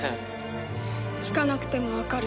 聞かなくてもわかる。